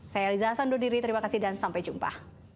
saya eliza sandudiri terima kasih dan sampai jumpa